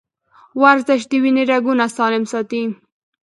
ورزش د وینې رګونه سالم ساتي.